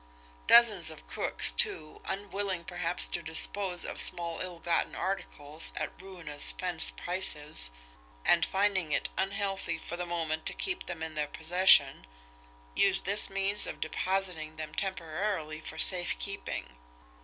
Dozens of crooks, too, unwilling, perhaps, to dispose of small ill gotten articles at ruinous 'fence' prices, and finding it unhealthy for the moment to keep them in their possession, use this means of depositing them temporarily for safe keeping.